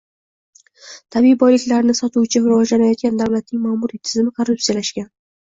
Tabiiy boyliklarini sotuvchi rivojlanayotgan davlatning ma’muriy tizimi korrupsiyalashgan